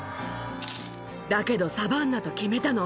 だけどサバンナと決めたの。